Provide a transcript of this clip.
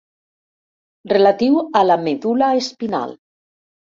Relatiu a la medul·la espinal.